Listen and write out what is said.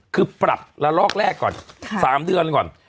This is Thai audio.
คือปรับละลอกแรกก่อน๓เดือนก่อน